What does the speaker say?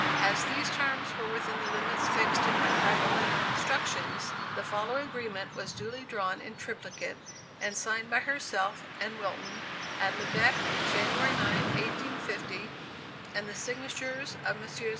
As these terms were within the limits fixed in my private letter of instructions, the following agreement was duly drawn in triplicate, and signed by herself and Wilton, at Lubeck, January 9, 1850; and the signatures of Messrs.